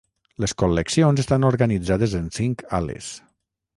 Les col·leccions estan organitzades en cinc ales.